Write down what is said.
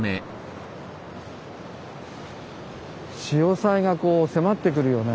潮さいがこう迫ってくるよね。